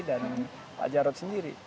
dan pak jarod sendiri